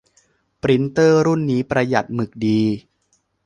ปรินเตอร์รุ่นนี้ประหยัดหมึกดี